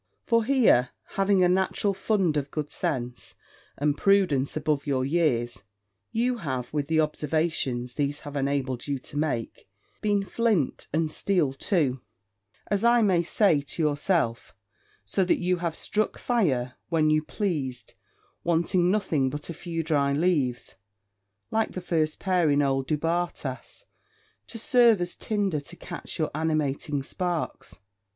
For here, having a natural fund of good sense, and prudence above your years, you have, with the observations these have enabled you to make, been flint and steel too, as I may say, to yourself: so that you have struck fire when you pleased, wanting nothing but a few dry leaves, like the first pair in old Du Bartas, to serve as tinder to catch your animating sparks.